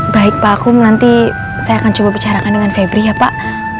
baik pak kum nanti saya akan coba bicarakan dengan febri ya pak